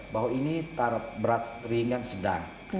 bahwa ini tarap berat ringan sedang